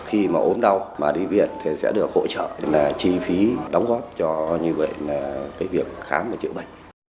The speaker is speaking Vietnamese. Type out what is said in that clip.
khi mà ốm đau mà đi viện thì sẽ được hỗ trợ là chi phí đóng góp cho như vậy là cái việc khám và chữa bệnh